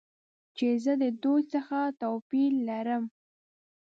چې زه د دوی څخه توپیر لرم.